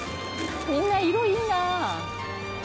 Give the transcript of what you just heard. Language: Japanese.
みんな色いいなあ。